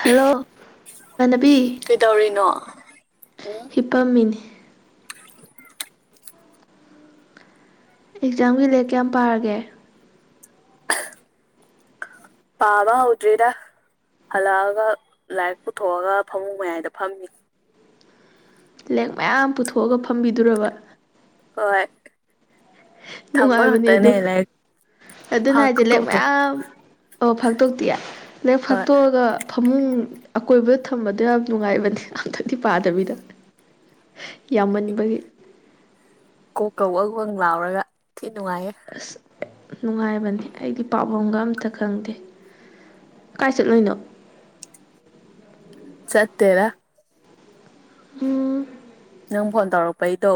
hello ꯏꯃꯥꯟꯅꯕꯤ ꯀꯩꯗꯧꯔꯤꯅꯣ ꯍꯤꯞꯄꯝꯃꯤꯅꯤ [inaudible] [unintelligible] ꯑꯦꯛꯖꯥꯝꯒꯤ ꯂꯥꯏꯔꯤꯛ ꯀꯌꯥꯝ ꯄꯥꯔꯒꯦ ꯄꯥꯕ ꯍꯧꯗ꯭ꯔꯤꯗ ꯍꯜꯂꯛꯑꯒ ꯂꯥꯏꯔꯤꯛ ꯄꯨꯊꯣꯛꯑꯒ ꯐꯃꯨꯡ ꯃꯌꯥꯏꯗ ꯐꯝꯃꯤ ꯂꯥꯏꯔꯤꯛ ꯃꯌꯥꯝ ꯄꯨꯊꯣꯛꯑꯒ ꯐꯝꯕꯤꯗꯨꯔꯕ ꯍꯣꯏ ꯊꯝꯕ ꯅꯨꯡꯉꯥꯏꯕꯅꯦ ꯑꯗꯨ ꯈꯛꯇꯅꯦ ꯂꯥꯏꯔꯤꯛ ꯑꯗꯨꯅ ꯍꯥꯏꯁꯦ ꯂꯥꯏꯔꯤꯛ ꯐꯥꯛꯇꯣꯛꯇ꯭ꯔꯤ ꯃꯌꯥꯝ ꯑꯣ ꯐꯥꯛꯇꯣꯛꯇꯦ ꯂꯥꯏꯔꯤꯛ ꯍꯣꯏ ꯐꯥꯛꯇꯣꯛꯑꯒ ꯐꯃꯨꯡ ꯑꯀꯣꯏꯕꯗ ꯊꯝꯕꯗꯣ ꯌꯥꯝ ꯅꯨꯡꯉꯥꯏꯕꯅꯦ ꯑꯝꯇꯥꯗꯤ ꯄꯥꯗꯕꯤꯗ ꯌꯥꯝꯃꯟꯕꯒꯤ ꯀꯣꯛ ꯀ ꯋꯪ ꯋꯪ ꯂꯥꯎꯔꯒ ꯊꯤ ꯅꯨꯡꯉꯥꯏꯌꯦ ꯑꯁ ꯅꯨꯡꯉꯥꯏꯕꯅꯤ ꯑꯩꯗꯤ ꯄꯥꯕꯝꯒ ꯑꯝꯇ ꯈꯪꯗꯦ ꯀꯥꯏ ꯆꯠꯂꯨꯏꯅꯣ ꯆꯠꯇꯦꯗ ꯎꯝ ꯅꯪ ꯐꯣꯟ ꯇꯧꯔꯛꯄꯩꯗꯣ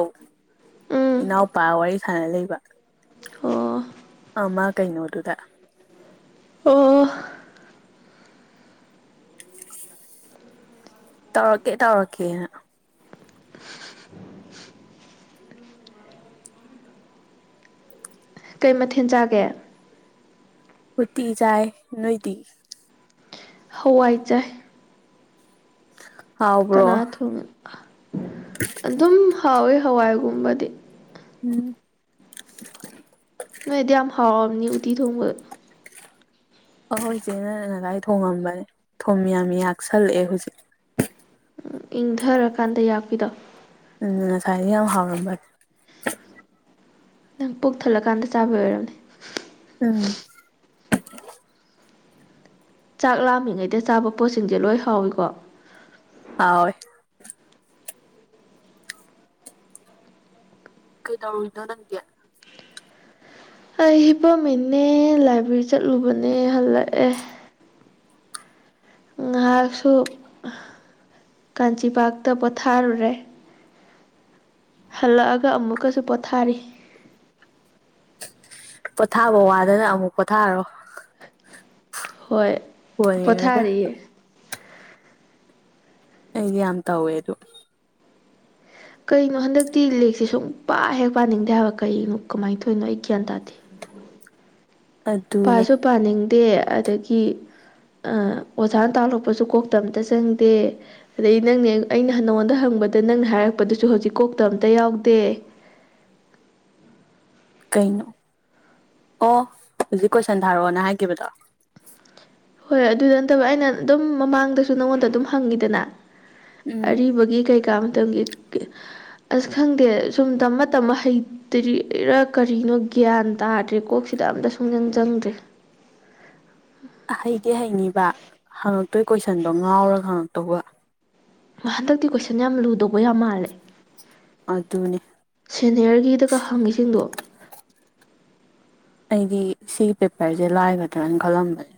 ꯎꯝ ꯏꯅꯥꯎꯄꯥ ꯋꯥꯔꯤ ꯁꯥꯟꯅ ꯂꯩꯕ ꯑꯣ ꯑꯃ ꯀꯩꯅꯣꯗꯨꯗ ꯑꯣ ꯇꯧꯔꯛꯀꯦ ꯇꯧꯔꯛꯀꯦꯅ ꯀꯩ ꯃꯊꯦꯜ ꯆꯥꯒꯦ ꯎꯇꯤ ꯆꯥꯏ ꯅꯣꯏꯗꯤ ꯍꯋꯥꯏ ꯆꯥꯏ ꯍꯥꯎꯕ꯭ꯔꯣ ꯀꯅꯥ ꯊꯣꯡꯉꯤ ꯑꯗꯨꯝ ꯍꯥꯎꯋꯤ ꯍꯋꯥꯏꯒꯨꯝꯕꯗꯤ ꯎꯝ ꯅꯣꯏꯗꯤ ꯌꯥꯝ ꯍꯥꯎꯔꯝꯅꯤ ꯎꯇꯤ ꯊꯣꯡꯕ ꯑꯍꯣꯏ ꯏꯆꯦꯅꯥ ꯉꯥꯁꯥꯏ ꯊꯣꯡꯉꯝꯕꯅꯦ ꯊꯨꯝ ꯌꯥꯝ ꯌꯥꯛꯁꯜꯂꯛꯑꯦ ꯍꯧꯖꯤꯛ ꯏꯪꯊꯔꯀꯥꯟꯗ ꯌꯥꯛꯄꯤꯗꯣ ꯎꯝ ꯉꯁꯥꯏꯗꯤ ꯌꯥꯝ ꯍꯥꯎꯔꯝꯕꯅꯦ ꯅꯪ ꯄꯨꯛ ꯊꯜꯂꯀꯥꯟꯗ ꯆꯥꯕꯩ ꯑꯣꯏꯔꯝꯅꯤ ꯎꯝ ꯆꯥꯛ ꯂꯥꯝꯃꯤꯉꯩꯗ ꯆꯥꯕ ꯄꯣꯠꯁꯤꯡꯁꯦ ꯂꯣꯏ ꯍꯥꯎꯏꯀꯣ ꯍꯥꯎꯌꯦ ꯀꯩꯗꯧꯔꯤꯅꯣ ꯅꯪꯗꯤ ꯑꯩ ꯍꯤꯄꯝꯃꯤꯅꯦ ꯂꯥꯏꯕ꯭ꯔꯦꯔꯤ ꯆꯠꯂꯨꯕꯅꯦ ꯍꯜꯂꯛꯑꯦ ꯉꯥꯏꯍꯥꯛꯁꯨ ꯀꯥꯟꯆꯤ ꯄꯥꯛꯇ ꯄꯣꯊꯥꯔꯨꯔꯦ ꯍꯜꯂꯛꯑꯒ ꯑꯃꯨꯛꯀꯁꯨ ꯄꯣꯊꯥꯔꯤ ꯄꯣꯊꯥꯕ ꯋꯥꯗꯅ ꯑꯃꯨꯛ ꯄꯣꯊꯥꯔꯣ ꯍꯣꯏ ꯐꯣꯟ ꯌꯦꯡꯉꯒꯥ ꯄꯣꯊꯥꯔꯤꯌꯦ ꯑꯩꯗꯤ ꯌꯥꯝ ꯇꯧꯏ ꯑꯗꯣ ꯀꯩꯅꯣ ꯍꯟꯗꯛꯇꯤ ꯂꯥꯏꯔꯤꯛꯁꯦ ꯁꯨꯡ ꯄꯥ ꯍꯦꯛ ꯄꯥꯅꯤꯡꯗꯦ ꯍꯥꯏꯕ ꯀꯩꯅꯣ ꯀꯃꯥꯏꯅ ꯇꯧꯔꯤꯅꯣ ꯑꯩ ꯒ꯭ꯌꯥꯟ ꯇꯥꯗꯦ ꯑꯗꯨꯅꯦ ꯄꯥꯁꯨ ꯄꯥꯅꯤꯡꯗꯦ ꯑꯗꯒꯤ ꯑꯣꯖꯥꯅ ꯇꯥꯛꯂꯛꯄꯁꯨ ꯀꯣꯛꯇ ꯃꯇꯥ ꯆꯪꯗꯦ ꯑꯗꯩ ꯅꯪꯅꯦ ꯑꯩꯅ ꯅ ꯅꯪꯉꯣꯟꯗ ꯍꯪꯕꯗ ꯅꯪꯅ ꯍꯥꯏꯔꯛꯄꯗꯨꯁꯨ ꯍꯧꯖꯤꯛ ꯀꯣꯛꯇ ꯑꯝꯇ ꯌꯥꯎꯗꯦ ꯀꯩꯅꯣ ꯑꯣ ꯍꯧꯖꯤꯛ ꯀꯣꯏꯁꯟ ꯊꯥꯔꯛꯑꯣꯅ ꯍꯥꯏꯈꯤꯕꯗꯣ ꯍꯣꯏ ꯑꯗꯨꯗ ꯅꯠꯇꯕ ꯑꯩꯅ ꯑꯗꯨꯝ ꯃꯃꯥꯡꯗꯁꯨ ꯅꯪꯉꯣꯟꯗ ꯑꯗꯨꯝ ꯍꯪꯉꯤꯗꯅ ꯎꯝ ꯑꯔꯤꯕꯒꯤ ꯀꯩꯀꯥ ꯃꯇꯝꯒꯤ ꯑꯁ ꯈꯪꯗꯦ ꯁꯨꯝ ꯇꯝꯃ ꯇꯝꯃ ꯍꯩ ꯇꯔꯤꯔ ꯀꯔꯤꯅꯣ ꯒ꯭ꯌꯥꯟ ꯇꯥꯗ꯭ꯔꯦ ꯀꯣꯛꯁꯤꯗ ꯑꯝꯇ ꯁꯨꯡꯖꯪ ꯆꯪꯗ꯭ꯔꯦ ꯍꯩꯗꯤ ꯍꯩꯅꯤꯕ ꯍꯪꯉꯛꯇꯣꯏ ꯀꯣꯏꯁꯟꯗꯣ ꯉꯥꯎꯔꯒ ꯍꯪꯉꯛꯇꯧꯕ ꯍꯟꯗꯛꯇꯤ ꯀꯣꯏꯁꯟ ꯌꯥꯝ ꯂꯨꯗꯧꯕ ꯌꯥꯝ ꯃꯥꯜꯂꯦ ꯑꯗꯨꯅꯦ ꯁꯦꯅꯤꯌꯔꯒꯤꯗꯒ ꯍꯪꯉꯤꯁꯤꯡꯗꯣ ꯑꯩꯗꯤ ꯁꯤꯒꯤ ꯄꯦꯄꯔꯁꯦ ꯂꯥꯏꯒꯗ꯭ꯔꯅ ꯈꯜꯂꯝꯕꯅꯦ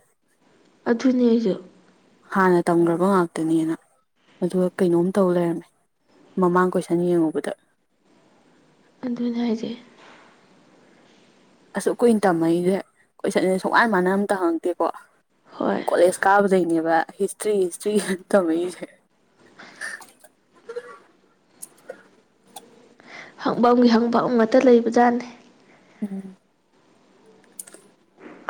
ꯑꯗꯨꯅꯦ ꯑꯩꯁꯨ ꯍꯥꯟꯅ ꯇꯝꯈ꯭ꯔꯕ ꯉꯥꯛꯇꯅꯦꯅ ꯑꯗꯨꯒ ꯀꯩꯅꯣꯝ ꯇꯧ ꯂꯩꯔꯝꯃꯦ ꯃꯃꯥꯡ ꯀꯣꯏꯁꯟ ꯌꯦꯡꯉꯨꯕꯗ ꯑꯗꯨꯅꯦ ꯍꯥꯏꯁꯦ ꯑꯁꯨꯛ ꯀꯨꯏꯅ ꯇꯝꯃꯥꯛꯏꯁꯦ ꯀꯣꯏꯁꯥꯟ ꯁꯨꯡꯃꯥꯟ ꯃꯥꯟꯅꯅ ꯑꯝꯇ ꯍꯪꯉꯥꯛꯇꯦꯀꯣ ꯍꯣꯏ ꯀꯣꯂꯦꯖ ꯀꯥꯕꯗꯩꯅꯦꯕ ꯍꯤꯁꯇ꯭ꯔꯤ ꯍꯤꯁꯇ꯭ꯔꯤ ꯍꯥꯏꯅ ꯇꯧꯃꯛꯏꯁꯦ ꯍꯪꯐꯝꯒꯤ ꯍꯪꯐꯝ ꯉꯥꯛꯇꯥ ꯂꯩꯕꯖꯥꯠꯅꯦ [inaudible]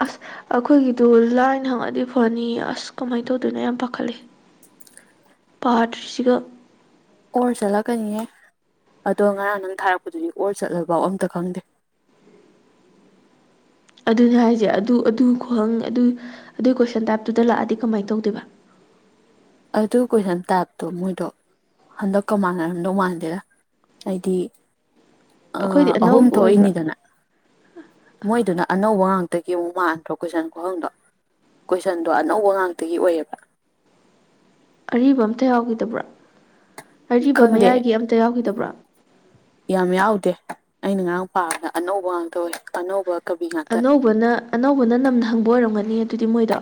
ꯑꯁ ꯑꯩꯈꯣꯏꯒꯤꯗꯨ ꯂꯥꯏꯅ ꯍꯪꯉꯗꯤ ꯐꯅꯤ ꯑꯁ ꯀꯃꯥꯏꯅ ꯇꯧꯗꯣꯏꯅꯣ ꯌꯥꯝ ꯄꯥꯈꯠꯂꯦ ꯄꯥꯗꯔ꯭ꯤꯁꯤꯒ ꯑꯣꯔ ꯆꯠꯂꯛꯀꯅꯤꯌꯦ ꯑꯗꯣ ꯉꯔꯥꯡ ꯅꯪ ꯊꯥꯔꯛꯄꯗꯨꯗꯤ ꯑꯣꯔ ꯆꯠꯂꯐꯥꯎ ꯑꯝꯇ ꯈꯪꯗꯦ ꯑꯗꯨꯅꯦ ꯍꯥꯏꯁꯦ ꯑꯗꯨ ꯑꯗꯨ ꯈꯨꯍꯪ ꯑꯗꯨ ꯑꯗꯨꯏ ꯀꯣꯏꯁꯟ ꯇꯥꯏꯞꯇꯨꯗ ꯂꯥꯛꯑꯗꯤ ꯀꯃꯥꯏꯅ ꯇꯧꯗꯣꯏꯕ ꯑꯗꯨ ꯀꯣꯏꯁꯟ ꯇꯥꯞꯇꯣ ꯃꯣꯏꯗꯣ ꯍꯟꯗꯛꯀ ꯃꯥꯟꯅꯔꯝꯗꯧ ꯃꯥꯟꯗꯦꯗ ꯑꯩꯗꯤ ꯑ ꯑꯩꯈꯣꯏꯗꯤ ꯑꯍꯨꯝ ꯑꯅꯧꯕ ꯑꯣꯏꯕ꯭ꯔꯥ ꯊꯣꯛꯏꯅꯤꯗꯅ ꯃꯣꯏꯗꯨꯅ ꯑꯅꯧꯕ ꯉꯥꯛꯇꯒꯤ ꯑꯃꯨꯛ ꯃꯥꯟꯗ꯭ꯔꯣ ꯀꯣꯏꯁꯟ ꯈꯨꯍꯪꯗꯣ ꯀꯣꯏꯁꯟꯗꯣ ꯑꯅꯧꯕ ꯉꯥꯛꯇꯒꯤ ꯑꯣꯏꯌꯦꯕ ꯑꯔꯤꯕ ꯑꯝꯇ ꯌꯥꯎꯈꯤꯗꯕ꯭ꯔꯥ ꯑꯔꯤꯕ ꯈꯪꯗꯦ ꯃꯌꯥꯏꯒꯤ ꯑꯝꯇ ꯌꯥꯎꯈꯤꯗꯕ꯭ꯔꯥ ꯌꯥꯝ ꯌꯥꯎꯗꯦ ꯑꯩꯅ ꯉꯔꯥꯡ ꯄꯥꯕꯗ ꯑꯅꯧꯕ ꯉꯥꯛꯇ ꯑꯣꯢ ꯑꯅꯧꯕ ꯀꯕꯤ ꯉꯥꯛꯇ ꯑꯅꯧꯕꯅ ꯑꯅꯧꯕꯅ ꯅꯝꯅ ꯍꯪꯕ ꯑꯣꯏꯔꯝꯒꯅꯤ ꯑꯗꯨꯗꯤ ꯃꯣꯏꯗꯣ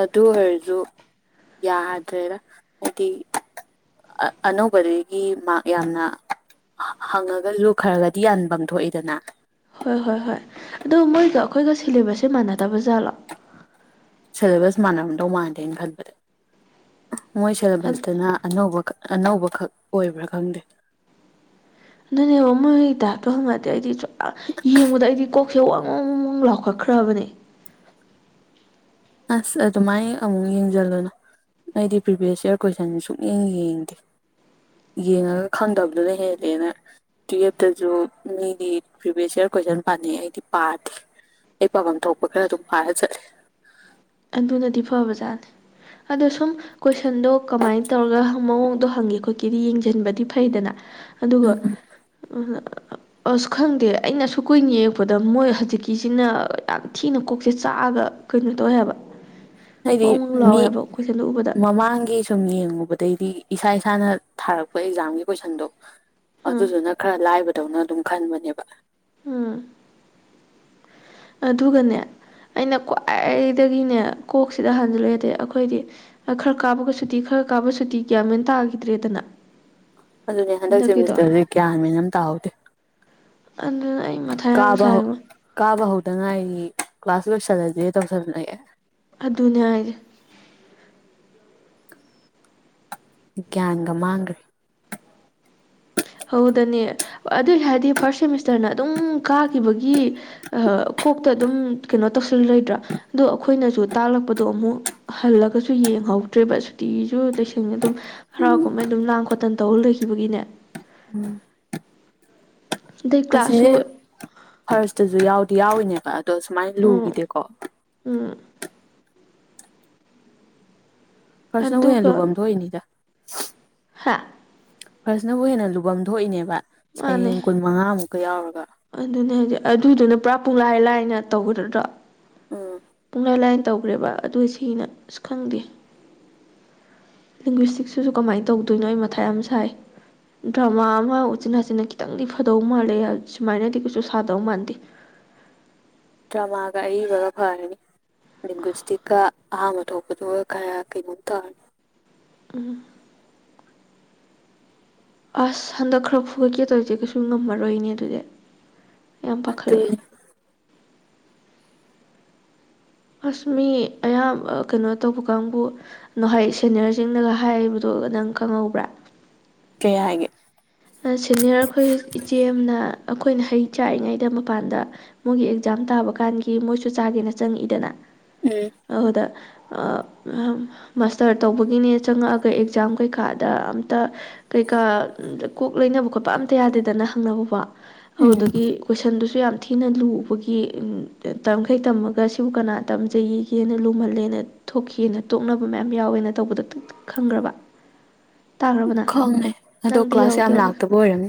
ꯑꯗꯨ ꯑꯣꯏꯔꯁꯨ ꯌꯥꯗ꯭ꯔꯦꯗ ꯍꯥꯏꯗꯤ ꯑꯅꯧꯕꯗꯒꯤ ꯃꯥꯛ ꯌꯥꯝꯅ ꯍꯪꯉꯥꯒꯁꯨ ꯈꯔ ꯈꯔꯁꯨ ꯌꯥꯟꯐꯝ ꯊꯣꯛꯏꯗꯅ ꯍꯣꯏ ꯍꯣꯏ ꯍꯣꯏ ꯑꯗꯣ ꯃꯣꯏꯒ ꯑꯩꯈꯣꯏꯒ ꯁꯤꯂꯦꯕꯁꯁꯦ ꯃꯥꯟꯅꯗꯕ ꯖꯥꯠꯂꯣ ꯁꯦꯂꯦꯕꯁ ꯃꯥꯟꯅꯔꯝꯗꯧ ꯃꯥꯟꯗꯦ ꯑꯩ ꯈꯟꯕꯗ ꯃꯣꯏ ꯁꯦꯂꯦꯕꯁꯇꯅ ꯑꯅꯧꯕꯈꯛ ꯑꯅꯧꯕꯈꯛ ꯑꯣꯏꯕ꯭ꯔꯥ ꯈꯪꯗꯦ ꯑꯗꯨꯅꯦꯕꯥ ꯃꯣꯏ ꯗꯥ ꯇꯣꯟ ꯒꯥꯗꯤ ꯑꯩꯗꯤ ꯁꯨ ꯌꯦꯡꯕꯗ ꯑꯩꯗꯤ ꯀꯣꯛꯁꯦ ꯋꯥꯡ ꯋꯥꯡ ꯂꯥꯎꯈꯠꯈ꯭ꯔꯕꯅꯦ ꯑꯁ ꯑꯗꯨꯃꯥꯏꯅ ꯑꯃꯨꯛ ꯌꯦꯡꯁꯤꯜꯂꯨꯅꯣ ꯑꯩꯗꯤ ꯄ꯭ꯔꯤꯚꯤꯌꯁ ꯏꯌꯥꯔ ꯀꯣꯏꯁꯟ ꯁꯨꯛꯌꯦꯡ ꯌꯦꯡꯗꯦ ꯌꯦꯡꯉꯒ ꯈꯪꯗꯕꯗꯨꯅ ꯍꯦꯜꯂꯦꯅ ꯇꯨꯌꯦꯜꯞꯇꯁꯨ ꯃꯤꯗꯤ ꯄ꯭ꯔꯤꯚꯤꯌꯁ ꯏꯔ ꯀꯣꯏꯁꯟ ꯄꯥꯅꯩ ꯑꯩꯗꯤ ꯄꯥꯗꯦ ꯑꯩ ꯄꯥꯐꯝ ꯊꯣꯛꯄ ꯈꯔ ꯑꯗꯨꯝ ꯐꯔ ꯆꯠꯂꯦ ꯑꯗꯨꯅꯗꯤ ꯐꯕꯖꯥꯠꯅꯤ ꯑꯗꯣ ꯁꯨꯝ ꯀꯣꯏꯁꯟꯗꯣ ꯀꯃꯥꯏꯅ ꯇꯧꯔꯒ ꯃꯑꯣꯡꯗꯣ ꯍꯪꯉꯦ ꯈꯣꯠꯀꯤꯦꯗꯤ ꯌꯦꯡꯁꯤꯟꯕꯗꯤ ꯐꯩꯗꯅ ꯑꯗꯨꯒ ꯎꯝ ꯑ ꯑꯁ ꯈꯪꯗꯦ ꯑꯩꯅ ꯁꯨꯛ ꯀꯨꯏꯅ ꯌꯦꯡꯉꯛꯄꯗ ꯃꯣꯏ ꯍꯧꯖꯤꯛꯀꯤꯁꯤꯅ ꯌꯥꯝ ꯊꯤꯅ ꯀꯣꯛꯁꯦ ꯆꯥꯛꯑꯒ ꯀꯩꯅꯣ ꯇꯧꯑꯦ ꯍꯥꯏꯕ ꯍꯥꯏꯗꯤ ꯋꯥꯉꯧ ꯉꯧ ꯃꯤ ꯂꯥꯎꯋꯦ ꯍꯥꯏꯕ ꯀꯣꯏꯁꯟꯗꯣ ꯎꯕꯗ ꯃꯃꯥꯡꯒꯤ ꯁꯨꯝ ꯌꯦꯡꯉꯨꯕꯗꯩꯗꯤ ꯏꯁꯥ ꯏꯁꯥꯅ ꯊꯥꯔꯛꯄ ꯑꯦꯛꯖꯥꯝꯒꯤ ꯀꯣꯏꯁꯟꯗꯣ ꯑꯥ ꯑꯗꯨꯗꯨꯅ ꯈꯔ ꯂꯥꯏꯕꯗꯧꯅ ꯑꯗꯨꯝ ꯈꯟꯕꯅꯦꯕ ꯎꯝ ꯑꯗꯨꯒꯅꯦ ꯑꯩꯅ ꯈ꯭ꯋꯥꯏꯗꯒꯤꯅꯦ ꯀꯣꯛꯁꯤꯗ ꯍꯥꯟꯖꯤꯜꯂꯣ ꯌꯥꯗꯦ ꯑꯩꯈꯣꯏꯗꯤ ꯈꯔ ꯀꯥꯕꯒ ꯁꯨꯇꯤ ꯈꯔ ꯀꯥꯕ ꯁꯨꯇꯤ ꯀꯌꯥꯟꯃꯦꯟ ꯇꯥꯈꯤꯗ꯭ꯔꯦꯗꯅ ꯑꯗꯨꯅꯦ ꯍꯟꯗꯛ ꯍꯟꯗꯛꯀꯤꯗꯣ ꯁꯦꯃꯤꯁꯇꯔꯗꯨ ꯀꯌꯥꯥꯟꯃꯦꯟ ꯑꯃ ꯇꯥꯍꯧꯗꯦ ꯑꯗꯨꯅꯦ ꯑꯩ ꯃꯊꯥ ꯌꯥꯝ ꯀꯥꯕ ꯁꯥꯏꯉꯣ ꯀꯥꯕ ꯍꯧꯗ ꯉꯥꯢꯔꯤ ꯀꯂ꯭ꯥꯁ ꯂꯣꯏꯁꯤꯜꯂꯥꯁꯦ ꯇꯧꯁꯜꯂꯛꯑꯦ ꯑꯗꯨꯅꯦ ꯍꯥꯏꯁꯤ ꯒ꯭ꯌꯥꯟꯒ ꯃꯥꯡꯈ꯭ꯔꯦ ꯑꯗꯅꯦ ꯑꯗꯨꯏ ꯍꯥꯏꯗꯤ ꯐꯥꯁꯠ ꯁꯦꯃꯤꯁꯇꯔꯅ ꯑꯗꯨꯝ ꯀꯥꯈꯤꯕꯒꯤ ꯀꯣꯛꯇ ꯑꯗꯨꯝ ꯀꯩꯅꯣ ꯇꯧꯁꯜꯂ ꯂꯣꯏꯗ꯭ꯔꯥ ꯑꯗꯣ ꯑꯩꯈꯣꯏꯅꯁꯨ ꯇꯥꯛꯂꯛꯄꯗꯣ ꯑꯃꯨꯛ ꯍꯜꯂꯒꯁꯨ ꯌꯦꯡꯍꯧꯗ꯭ꯔꯦꯕ ꯁꯨꯇꯤꯁꯨ ꯂꯩꯁꯤꯟꯉꯦ ꯑꯗꯨꯝ ꯍꯔꯥꯎ-ꯀꯨꯝꯍꯩ ꯑꯗꯨꯝ ꯂꯥꯡ ꯈꯣꯠꯇꯟ ꯇꯧ ꯂꯩꯈꯤꯕꯒꯤꯅꯦ ꯑꯗꯩ ꯀ꯭ꯂꯥꯁꯁꯨ ꯑꯁꯤꯖꯦ ꯐꯥꯔꯁꯇꯖꯨ ꯌꯥꯎꯗꯤ-ꯌꯥꯎꯋꯤꯅꯦꯕ ꯑꯗꯣ ꯁꯨꯃꯥꯏꯅ ꯎꯝ ꯂꯨꯒꯤꯗꯦꯀꯣ ꯎꯝ ꯐꯥꯁ ꯅꯕꯨ ꯍꯦꯟꯅ ꯂꯨꯐꯝ ꯊꯣꯛꯏꯅꯤꯗ ꯍꯥꯥ ꯐꯔꯁꯅꯕꯨ ꯍꯦꯟꯅ ꯂꯨꯐꯝ ꯊꯣꯛꯏꯅꯦꯕ ꯃꯥꯅꯦ ꯁꯩꯌꯦꯡ ꯀꯨꯟ ꯃꯉꯥꯃꯨꯛꯀ ꯌꯥꯎꯔꯒ ꯑꯗꯨꯅꯦ ꯍꯥꯏꯗꯤ ꯑꯗꯨꯗꯨꯅ ꯄꯨꯔꯥ ꯄꯨꯡꯂꯥꯏ ꯂꯥꯏꯅ ꯇꯧꯕꯗꯨꯗ ꯎꯝ ꯄꯨꯡꯂꯥꯢ ꯂꯥꯏꯅ ꯇꯧꯒꯔꯦꯕ ꯑꯗꯨꯒ ꯁꯤꯅ ꯑꯁ ꯈꯪꯗꯦ [unintelligible] ꯀꯃꯥꯏꯅ ꯇꯧꯗꯣꯏꯅꯣ ꯑꯩ ꯃꯊꯥ ꯌꯥꯝ ꯁꯥꯏ ꯗ꯭ꯔꯃꯥ ꯑꯃ ꯎꯆꯤꯟ-ꯅꯆꯤꯟꯅ ꯈꯤꯇꯪꯗꯤ ꯐꯗꯧ ꯃꯥꯜꯂꯦ ꯁꯨꯃꯥꯏꯅꯗꯤ ꯀꯩꯁꯨ ꯁꯥꯗꯧ ꯃꯥꯟꯗꯦ ꯗꯔꯃꯥꯒ ꯑꯋꯤꯕꯒ ꯐꯥꯔꯥꯅꯤ ꯂꯦꯡꯒꯣꯏꯁꯇꯤꯛꯀ ꯑꯍꯥꯡꯕ ꯊꯣꯛꯄꯗꯨꯒ ꯈꯔ ꯀꯩꯅꯣꯝ ꯇꯧꯔꯅꯤ ꯎꯝ ꯑꯁ ꯍꯟꯗꯛ ꯈꯔ ꯐꯨꯒꯠꯀꯦ ꯇꯧꯔꯤꯁꯦ ꯀꯩꯁꯨ ꯉꯝꯃꯔꯣꯏꯅꯦ ꯑꯗꯨꯗꯤ ꯌꯥꯝ ꯄꯥꯈꯠꯂꯛꯑꯦ ꯑꯗꯨꯅꯤ ꯑꯁ ꯃꯤ ꯑꯌꯥꯝꯕ ꯑꯥ ꯀꯩꯅꯣ ꯇꯧꯕ ꯀꯥꯡꯕꯨ ꯅꯍꯣꯢ ꯁꯦꯅꯤꯌꯔꯖꯤꯡꯅꯒ ꯍꯥꯏꯕꯗꯣ ꯅꯪ ꯈꯪꯍꯧꯕ꯭ꯔꯥ ꯀꯩ ꯍꯥꯏꯒꯦ ꯑꯥ ꯁꯦꯅꯤꯌꯔ ꯑꯩꯈꯣꯏ ꯏꯆꯦ ꯑꯃꯅ ꯑꯩꯈꯣꯏꯅ ꯍꯩ ꯆꯥꯛꯔꯤꯉꯩꯗ ꯃꯄꯥꯟꯗ ꯃꯣꯏꯒꯤ ꯑꯦꯛꯖꯥꯝ ꯇꯥꯕ ꯀꯥꯟꯒꯤ ꯃꯣꯏꯁꯨ ꯆꯥꯒꯦꯅ ꯆꯪꯉꯛꯏꯗꯅ ꯎꯝ ꯑꯍꯨꯗ ꯃꯥꯁꯇꯔ ꯇꯧꯕꯒꯤꯅꯦ ꯆꯪꯉꯛꯑꯒ ꯑꯦꯛꯖꯥꯝ ꯀꯩꯀꯥꯗ ꯑꯝꯇ ꯀꯩꯀꯥ ꯀꯣꯛ ꯂꯣꯢꯅꯕ ꯈꯣꯠꯄ ꯑꯝꯇ ꯌꯥꯗꯦꯗꯅ ꯍꯪꯅꯕꯐꯥꯎ ꯎꯝ ꯑꯗꯨꯒꯤ ꯀꯣꯏꯁꯟꯗꯨꯁꯨ ꯌꯥꯝ ꯊꯤꯅ ꯂꯨꯕꯒꯤ ꯎꯝ ꯇꯝꯈꯩ ꯇꯝꯃꯒ ꯁꯤꯕꯨ ꯀꯅꯥ ꯇꯝꯖꯩ ꯋꯦꯒꯦꯅ ꯂꯨꯝꯍꯜꯂꯦꯅ ꯊꯣꯛꯈꯤꯑꯅ ꯇꯣꯛꯅꯕ ꯃꯌꯥꯝ ꯌꯥꯎꯋꯦꯅ ꯇꯧꯕꯗ ꯈꯪꯒꯔꯕ ꯈꯪꯉꯦ ꯑꯗꯣ ꯀ꯭ꯂꯥꯁ ꯌꯥꯝ ꯌꯥꯎꯕ꯭ꯔꯥ ꯂꯥꯛꯇꯕ ꯑꯣꯏꯔꯝꯅꯤ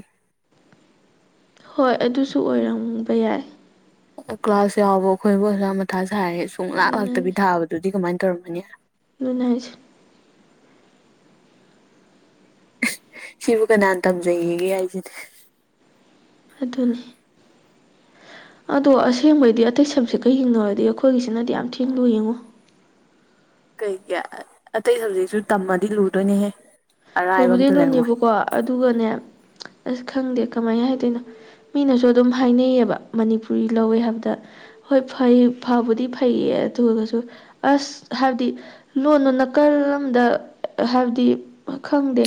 ꯍꯣꯏ ꯑꯗꯨꯁꯨ ꯑꯣꯏꯔꯝꯕ ꯌꯥꯏ ꯀ꯭ꯂꯥꯁ ꯌꯥꯎꯕ ꯑꯩꯈꯣꯏꯕꯥꯎ ꯑꯁꯨꯛꯌꯝ ꯃꯊꯥ ꯁꯥꯔꯦ ꯁꯨꯡꯂꯥꯛ ꯑꯗꯨꯅ ꯂꯥꯛꯇꯕꯤ ꯊꯥꯕꯗꯨꯗꯤ ꯀꯃꯥꯏ ꯇꯧꯔꯝꯃꯅꯤ ꯑꯗꯨꯅꯦ ꯍꯥꯏꯁꯦ ꯁꯤꯕꯨ ꯀꯅꯥꯟ ꯇꯝꯖꯩꯋꯦꯒꯦ ꯍꯥꯏꯖꯤꯅꯤ ꯑꯗꯨꯅꯤ ꯑꯗꯣ ꯑꯁꯦꯡꯕꯩꯗꯤ ꯑꯇꯩ ꯁꯞꯖꯦꯛꯀꯥ ꯌꯦꯡꯅꯧꯔꯗꯤ ꯑꯩꯈꯣꯏꯒꯤꯁꯤꯅꯗꯤ ꯌꯥꯝꯊꯤꯅ ꯂꯨꯢ ꯑꯉꯣ ꯀꯩꯒꯤ ꯑꯇꯩ ꯁꯕꯖꯦꯛꯁꯨ ꯇꯝꯃꯗꯤ ꯂꯨꯗꯣꯏꯅꯦꯍꯦ ꯑꯔꯥꯏꯕ ꯂꯨꯕꯨꯗꯤ ꯑꯝꯇ ꯂꯩꯔꯝꯃꯣꯏ ꯂꯨꯅꯦꯕꯀꯣ ꯑꯗꯨꯒꯅꯦ ꯑꯁ ꯈꯪꯗꯦ ꯀꯃꯥꯏꯅ ꯍꯥꯏꯗꯣꯏꯅꯣ ꯃꯤꯅꯁꯨ ꯑꯗꯨꯝ ꯍꯥꯏꯅꯩ ꯑꯕ ꯃꯅꯤꯄꯨꯔꯤ ꯂꯧꯋꯦ ꯍꯥꯏꯕꯗ ꯍꯣꯏ ꯐꯩ ꯐꯥꯕꯨꯗꯤ ꯐꯩꯌꯦ ꯑꯗꯨꯒꯁꯨ ꯑꯁ ꯍꯥꯏꯕꯗꯤ ꯂꯣꯟꯅ ꯅꯀꯥꯜ ꯑꯝꯗ ꯍꯥꯏꯕꯗꯤ ꯈꯪꯗꯦ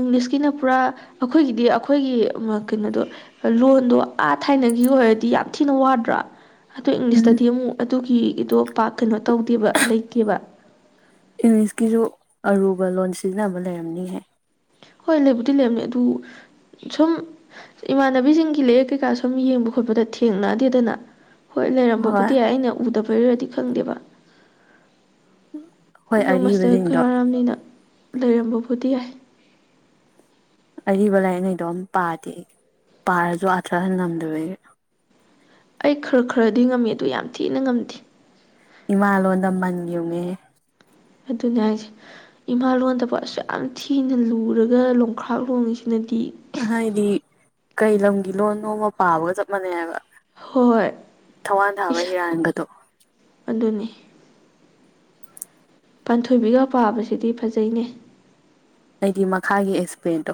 ꯏꯡꯂꯤꯁꯀꯤꯅ ꯄꯨꯔꯥ ꯑꯩꯈꯣꯏꯒꯤꯗꯤ ꯑꯩꯈꯣꯏꯒꯤ ꯃꯥ ꯀꯩꯅꯣꯗꯣ ꯂꯣꯟꯗꯣ ꯑꯥ ꯊꯥꯏꯅꯒꯤ ꯑꯣꯏꯔꯗꯤ ꯌꯥꯝ ꯊꯤꯅ ꯋꯥꯗ꯭ꯔꯥ ꯑꯗꯣ ꯎꯝ ꯏꯡꯂꯤꯁꯇꯗꯤ ꯑꯃꯨꯛ ꯑꯗꯨꯒꯤ ꯗꯣ ꯄꯥꯛ ꯀꯩꯅꯣ ꯇꯧꯗꯦꯕ ꯂꯩꯇꯦꯕ ꯏꯡꯂꯤꯁꯀꯤꯖꯨ ꯑꯔꯨꯕ ꯂꯣꯟ ꯁꯤꯖꯤꯟꯅꯕ ꯂꯩꯔꯝꯅꯤꯍꯦ ꯍꯣꯏ ꯂꯩꯕꯨꯗꯤ ꯂꯩꯔꯅꯤ ꯑꯗꯨ ꯁꯨꯝ ꯏꯃꯥꯟꯅꯕꯤꯖꯤꯡꯒꯤ ꯂꯔꯤꯛ ꯀꯩꯀꯥ ꯁꯨꯝ ꯌꯦꯡꯕ ꯈꯣꯠꯄꯗ ꯊꯦꯡꯅꯗꯦꯗꯅ ꯍꯣꯏ ꯍꯣꯏ ꯂꯩꯔꯝꯕꯕꯨꯗꯤ ꯌꯥꯏ ꯑꯩꯅ ꯎꯗꯕꯩꯔꯗꯤ ꯈꯪꯗꯦꯕ ꯎꯝ ꯑꯗꯣ ꯃꯁꯇꯔ ꯀꯥꯔꯕꯅꯤꯅ ꯂꯩꯔꯝꯕꯕꯨꯗꯤ ꯌꯥꯏ ꯑꯔꯤꯕ ꯂꯥꯏꯔꯤꯛꯉꯩꯗꯣ ꯑꯝ ꯄꯥꯗꯦ ꯄꯥꯔꯁꯨ ꯑꯥꯊꯍꯟꯉꯝꯗꯕꯒꯤ ꯑꯩ ꯈꯔ ꯈꯔꯗꯤ ꯉꯝꯃꯤ ꯑꯗꯨ ꯌꯥꯝ ꯊꯤꯅ ꯉꯝꯗꯦ ꯏꯃꯥ ꯂꯣꯟꯗ ꯃꯟ ꯌꯨꯡꯉꯦꯍꯦ ꯑꯗꯨꯅꯦ ꯍꯥꯏꯁꯦ ꯏꯃꯥꯂꯣꯟꯗꯕꯨ ꯑꯁꯨꯛ ꯌꯥꯝ ꯊꯤꯅ ꯂꯨꯔꯒ ꯂꯣꯡꯈ꯭ꯔꯥꯛ ꯂꯣꯡꯉꯤꯁꯤꯅꯗꯤ ꯍꯥꯏꯗꯤ ꯀꯩ ꯂꯝꯒꯤ ꯂꯣꯟꯅꯣꯃ ꯄꯥꯕꯒ ꯆꯞ ꯃꯥꯟꯅꯩ ꯍꯥꯏꯕ ꯍꯣꯏ ꯊꯋꯥꯟ ꯊꯥꯕ ꯏꯁꯥ ꯍꯤꯔꯥꯟꯒꯗꯣ ꯑꯗꯨꯅꯤ ꯄꯥꯟꯊꯣꯏꯕꯤꯒ ꯄꯥꯕꯁꯤꯗꯤ ꯐꯖꯩꯅꯦ ꯑꯩꯗꯤ ꯃꯈꯥꯒꯤ ꯑꯦꯛꯁꯄꯂꯦꯟꯗꯣ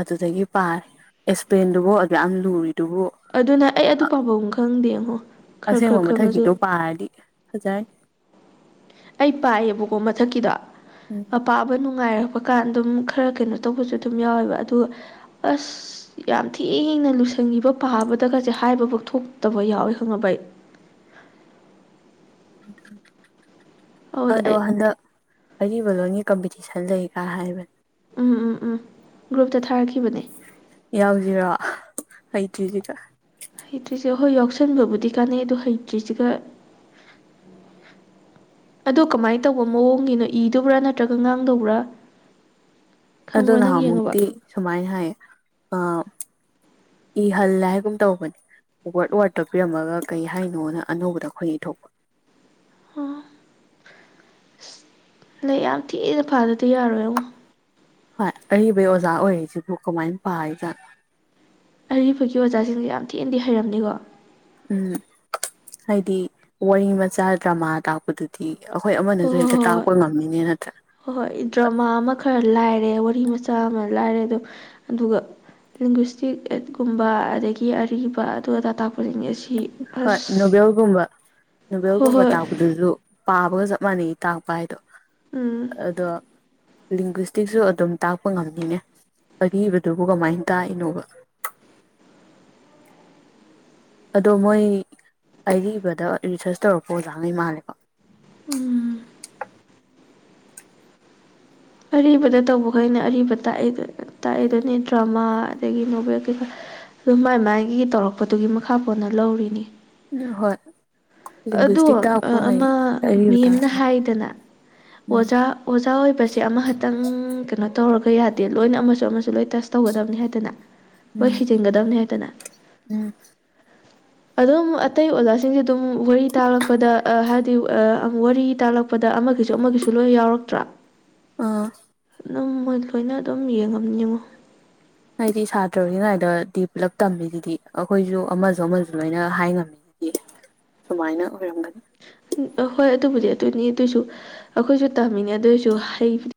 ꯑꯗꯨꯗꯒꯤ ꯄꯥꯔꯦ ꯑꯦꯁꯄ꯭ꯂꯦꯟꯗꯨꯕꯨ ꯑꯗꯨꯛ ꯌꯥꯝ ꯂꯨꯔꯤꯗꯨꯕꯨ ꯑꯗꯨꯅ ꯑꯩ ꯑꯗꯨ ꯄꯥꯕꯝ ꯈꯪꯗꯦꯡꯉꯣ ꯈꯔ ꯈꯔ ꯈꯪꯉꯥꯖꯨ ꯄꯥꯔꯗꯤ ꯐꯖꯥꯏ ꯑꯩ ꯄꯥꯏꯌꯦꯕꯀꯣ ꯃꯊꯛꯀꯤꯗꯣ ꯎꯝ ꯄꯥꯕ ꯅꯨꯡꯉꯥꯏꯔꯛꯄ ꯀꯥꯟ ꯑꯗꯨꯝ ꯈꯔ ꯀꯩꯅꯣ ꯇꯧꯕꯁꯨ ꯑꯗꯨꯝ ꯌꯥꯎꯋꯦꯕ ꯑꯗꯨ ꯑꯁ ꯌꯥꯝ ꯊꯤꯅ ꯂꯨꯁꯟꯒꯤꯕ ꯄꯥꯕꯗꯒꯁꯦ ꯍꯥꯏꯕꯨꯛ ꯊꯣꯛꯇꯕ ꯌꯥꯎꯋꯦ ꯈꯪꯉꯕ ꯑꯩ ꯑꯗꯨꯗ ꯑꯗꯣ ꯑꯩ ꯍꯟꯗꯛ ꯑꯔꯤꯕ ꯂꯣꯟꯒꯤ ꯀꯝꯄꯤꯇꯤꯁꯟ ꯂꯩꯒ ꯍꯥꯏꯕꯅꯦ ꯎꯝ ꯎꯝ ꯎꯝ ꯒ꯭ꯔꯨꯞꯇ ꯊꯥꯔꯛꯈꯤꯕꯅꯦ ꯌꯥꯎꯖꯤꯔꯣ ꯍꯩꯇ꯭ꯔꯤꯖꯤꯒ ꯍꯩꯇ꯭ꯔꯤꯁꯦ ꯍꯣꯏ ꯌꯥꯎꯁꯟꯕꯕꯨꯗꯤ ꯀꯥꯟꯅꯩ ꯑꯗꯨ ꯍꯩꯇ꯭ꯔꯤꯁꯤꯒ ꯑꯗꯨ ꯀꯃꯥꯏꯅ ꯇꯧꯕ ꯃꯑꯣꯡꯒꯤꯅꯣ ꯏꯗꯨꯕ꯭ꯔꯥ ꯅꯠꯇ꯭ꯔꯒ ꯉꯥꯡꯗꯧꯕ꯭ꯔꯥ ꯑꯗꯨ ꯈꯪꯕ꯭ꯔꯥ ꯅꯪ ꯌꯦꯡꯉꯕ ꯅꯍꯥꯟꯃꯨꯛꯇꯤ ꯁꯨꯃꯥꯏꯅ ꯍꯥꯏꯌꯦ ꯑ ꯏꯍꯜꯂꯦ ꯍꯥꯏꯒꯨꯝ ꯇꯧꯕꯅꯦ ꯋꯥꯔꯠ ꯋꯥꯔꯠꯇ ꯄꯤꯔꯝꯃꯒ ꯀꯩ ꯍꯥꯏꯅꯣꯅ ꯑꯅꯧꯕꯗ ꯑꯩꯈꯣꯏꯅ ꯏꯊꯣꯛꯄ ꯑꯣ ꯑꯁ ꯂꯩ ꯌꯥꯝ ꯊꯤꯅ ꯄꯥꯗꯗꯤ ꯌꯥꯔꯣꯏꯉꫭ ꯍꯣꯏ ꯑꯔꯤꯕꯩ ꯑꯣꯖꯥ ꯑꯣꯏꯔꯤꯁꯤꯕꯨ ꯀꯃꯥꯏꯅ ꯄꯔꯤꯖꯥꯠꯅꯣ ꯑꯔꯤꯕꯀꯤ ꯑꯣꯖꯥꯁꯤꯡꯁꯨ ꯌꯥꯝ ꯊꯤꯅꯗꯤ ꯍꯩꯔꯝꯅꯤꯀꯣ ꯎꯝ ꯍꯥꯏꯗꯤ ꯋꯥꯔꯤ ꯃꯆꯥ ꯗ꯭ꯔꯃꯥ ꯇꯥꯛꯄꯗꯨ ꯗꯤ ꯑꯩꯈꯣꯏ ꯍꯣꯏ ꯑꯃꯅꯁꯨ ꯍꯣꯏ ꯍꯦꯛꯇ ꯍꯣꯏ ꯇꯥꯛꯄ ꯉꯝꯅꯤꯅꯦ ꯅꯠꯇ꯭ꯔꯥ ꯍꯣꯏ ꯍꯣꯏ ꯗ꯭ꯔꯃꯥ ꯑꯃ ꯈꯔ ꯂꯥꯏꯔꯦ ꯋꯥꯔꯤ ꯃꯆꯥ ꯑꯃ ꯂꯥꯏꯔꯦ ꯑꯗꯣ ꯑꯗꯨꯒ ꯏꯪꯂꯤꯁꯇꯤ ꯑꯦꯠ ꯀꯨꯝꯕ ꯑꯗꯒꯤ ꯑꯔꯤꯕ ꯑꯗꯨ ꯑꯗꯥ ꯇꯥꯛꯄꯖꯤꯡꯖꯦꯁꯤ ꯍꯣꯏ ꯅꯣꯕꯦꯜꯒꯨꯝꯕ ꯍꯣꯏ ꯅꯣꯕꯦꯜꯒꯨꯝꯕ ꯍꯣꯏ ꯇꯥꯛꯄꯗꯖꯨ ꯄꯥꯕꯒ ꯆꯞ ꯃꯥꯟꯅꯩ ꯇꯥꯛꯄ ꯍꯥꯏꯗꯣ ꯎꯝ ꯑꯗꯣ ꯂꯤꯡꯕꯤꯁꯇꯤꯛꯁꯨ ꯑꯗꯨꯝ ꯇꯥꯛꯄ ꯉꯝꯅꯤꯅꯦ ꯑꯔꯤꯕꯗꯨꯕꯨ ꯀꯃꯥꯏꯅ ꯇꯥꯛꯏꯅꯣꯕ ꯑꯗꯣ ꯃꯣꯏ ꯑꯔꯤꯕꯗ ꯔꯤꯁꯔꯁ ꯇꯧꯔꯛꯄ ꯑꯣꯖꯥꯉꯩ ꯃꯥꯜꯂꯦꯀꯣ ꯎꯝ ꯑꯔꯤꯕꯗ ꯇꯧꯕꯈꯩꯅ ꯑꯔꯤꯕ ꯇꯥꯛꯏ ꯇꯥꯛꯏꯗꯨꯅꯤ ꯗ꯭ꯔꯃꯥ ꯑꯗꯒꯤ ꯅꯣꯚꯦꯜ ꯀꯩꯀꯥ ꯑꯗꯨꯝ ꯃꯥꯏ ꯃꯥꯏꯒꯤ ꯇꯧꯔꯛꯄꯗꯨꯒꯤ ꯃꯈꯥ ꯄꯣꯟꯅ ꯂꯧꯔꯤꯅꯤ ꯑꯗꯨꯅ ꯍꯣꯏ ꯑꯗꯣ ꯂꯤꯡꯒ꯭ꯋꯤꯁꯇꯤꯛ ꯇꯥꯛꯄꯉꯩ ꯑꯃ ꯑꯔꯤꯕ ꯃꯦꯝꯅ ꯇꯥꯛꯁꯦ ꯍꯥꯏꯗꯅ ꯎꯝ ꯑꯣꯖꯥ ꯑꯣꯖꯥ ꯑꯣꯏꯕꯁꯦ ꯑꯃꯈꯛꯇꯪ ꯀꯩꯅꯣ ꯇꯧꯔꯒ ꯌꯥꯗꯦ ꯂꯣꯏꯅ ꯑꯃꯁꯨ ꯑꯃꯁꯨ ꯂꯣꯏ ꯇꯁ ꯇꯧꯒꯗꯕꯅꯤ ꯍꯥꯏꯗꯅ ꯍꯣꯏ ꯎꯝ ꯍꯩꯖꯤꯟꯒꯗꯕꯅꯦ ꯍꯥꯏꯗꯅ ꯎꯝ ꯑꯗꯨꯝ ꯑꯇꯩ ꯑꯣꯖꯥꯁꯤꯡꯁꯨ ꯑꯗꯨꯝ ꯎꯝ ꯋꯥꯔꯤ ꯇꯥꯛꯂꯛꯄꯗ ꯍꯥꯏꯗꯤ ꯋꯥꯔꯤ ꯇꯥꯛꯂꯛꯄꯗ ꯑꯃꯒꯤꯁꯨ ꯑꯃꯒꯤꯁꯨ ꯂꯣꯏ ꯌꯥꯎꯔꯛꯇ꯭ꯔꯥ [unintelligible] ꯑꯥ ꯑꯗꯨꯝ ꯃꯣꯏ ꯂꯣꯏꯅ ꯑꯗꯨꯝ ꯌꯦꯡꯉꯝꯅꯤ ꯌꯦꯡꯉꯣ ꯍꯥꯏꯗꯤ ꯁꯥꯇ꯭ꯔ ꯑꯣꯏꯔꯤꯉꯩꯗꯥ ꯇꯤ ꯄꯨꯂꯞ ꯇꯝꯃꯤꯗꯨꯗꯤ ꯑꯩꯈꯣꯏꯁꯨ ꯑꯃꯁꯨ ꯑꯃꯁꯨ ꯂꯣꯏꯅ ꯍꯥꯏ ꯉꯝꯃꯤ [inaudible] ꯁꯨꯃꯥꯏꯅ ꯑꯣꯏꯔꯝꯒꯅꯤ ꯑ ꯍꯣꯏ ꯑꯗꯨꯕꯨꯗꯤ ꯑꯗꯨꯅꯤ ꯑꯗꯨꯏꯁꯨ ꯑꯩꯈꯣꯏꯁꯨ ꯇꯝꯃꯤꯅꯦ ꯑꯗꯨꯏꯁꯨ ꯍꯩ